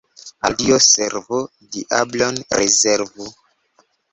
Al Dio servu, diablon rezervu.